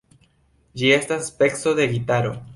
Ĝi estas speco de gitaro.